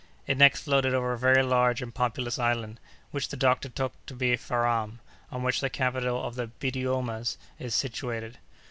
It next floated over a very large and populous island, which the doctor took to be Farram, on which the capital of the Biddiomahs is situated.